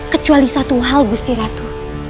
kecuali satu hal gusti ratu